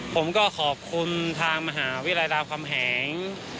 ผมก็ขอบคุณทางมหาวิทยาลัยรามคำแหง